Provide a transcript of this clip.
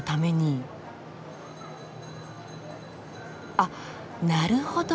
あっなるほど！